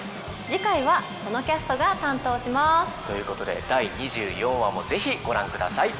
次回はこのキャストが担当します。ということで第２４話もぜひご覧ください。